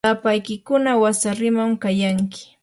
lapaykiykuna wasariman kayanki.